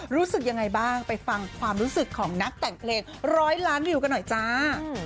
รู้สึกยังไงบ้างไปฟังความรู้สึกของนักแต่งเพลงร้อยล้านวิวกันหน่อยจ้า